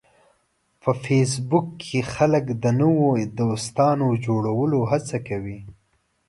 په فېسبوک کې خلک د نوو دوستانو جوړولو هڅه کوي